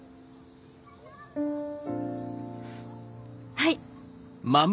はい。